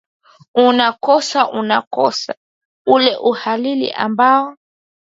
unakosa unakosa ule uhalali ambao